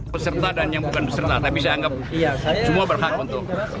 peserta dan yang bukan peserta tapi saya anggap semua berhak untuk